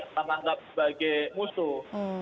kita anggap sebagai musuh